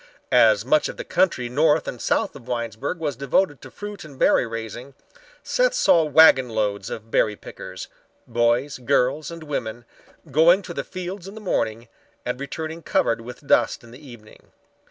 As much of the country north and south of Winesburg was devoted to fruit and berry raising, Seth saw wagon loads of berry pickers—boys, girls, and women—going to the fields in the morning and returning covered with dust in the evening.